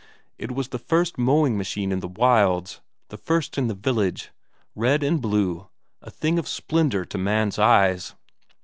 It was the first mowing machine in the wilds, the first in the village red and blue, a thing of splendour to man's eyes.